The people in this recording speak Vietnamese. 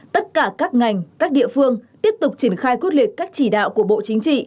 tất cả các ngành các địa phương tiếp tục triển khai quyết liệt các chỉ đạo của bộ chính trị